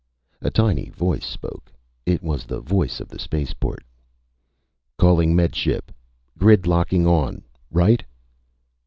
A tiny voice spoke. It was the voice of the spaceport. "_Calling Med Ship. Grid locking on. Right?